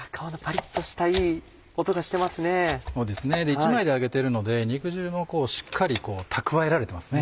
１枚で揚げてるので肉汁もしっかり蓄えられてますね。